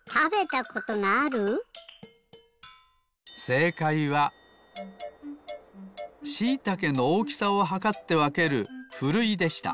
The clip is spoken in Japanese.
せいかいはしいたけのおおきさをはかってわけるふるいでした。